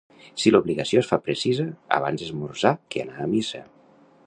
Si l'obligació es fa precisa, abans esmorzar que anar a missa.